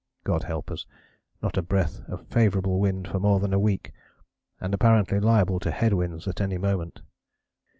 God help us! Not a breath of favourable wind for more than a week, and apparently liable to head winds at any moment."